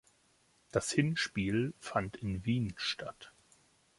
Das Hinspiel fand in Wien statt.